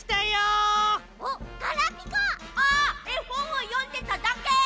あっえほんをよんでただけ！